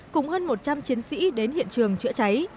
cùng hơn một trăm linh chiến sĩ đến hiện trường chữa cháy